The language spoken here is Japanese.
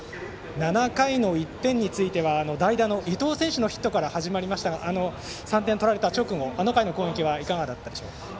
７回の１点については代打の伊藤選手のヒットから始まりましたが３点取られた直後あの回の攻撃はいかがだったでしょうか。